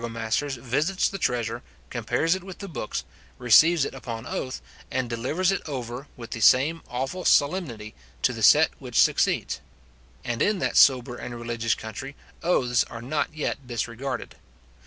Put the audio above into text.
Each new set of burgomasters visits the treasure, compares it with the books, receives it upon oath, and delivers it over, with the same awful solemnity to the set which succeeds; and in that sober and religious country, oaths are not yet disregarded.